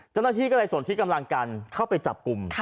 เจ้าหน้าที่ก็เลยสนที่กำลังกันเข้าไปจับกลุ่ม